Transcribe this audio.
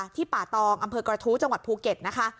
ป่าตองอำเภอกระทู้จังหวัดภูเก็ตนะคะ